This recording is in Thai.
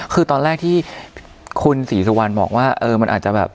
คือตอนแรกที่คุณศรีสุวรรณบอกว่าเออมันอาจจะแบบ